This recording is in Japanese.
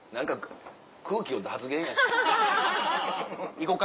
行こか。